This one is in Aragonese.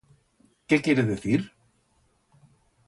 Qué quiere decir?